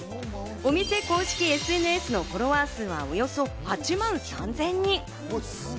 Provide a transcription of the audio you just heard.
お店公式ＳＮＳのフォロワー数はおよそ８万３０００人。